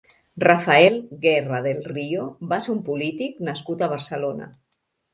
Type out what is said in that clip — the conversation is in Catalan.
Rafael Guerra del Río va ser un polític nascut a Barcelona.